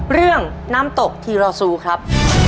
เรื่องน้ำตกทีรอซูครับ